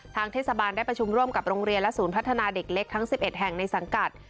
เทศบาลได้ประชุมร่วมกับโรงเรียนและศูนย์พัฒนาเด็กเล็กทั้ง๑๑แห่งในสังกัด